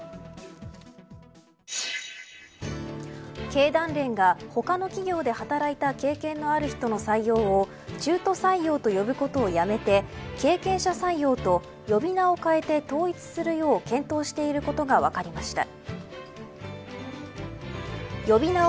経団連が他の企業で働いた経験のある人の採用を中途採用と呼ぶことをやめて経験者採用と呼び名を変えて統一するよう検討していることが分かりました。